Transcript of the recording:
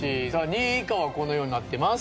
２位以下はこのようになってます。